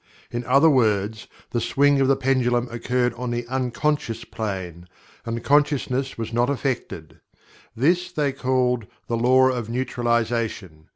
In other words, the swing of the pendulum occurred on the Unconscious Plane, and the Consciousness was not affected. This they call the Law of Neutralization.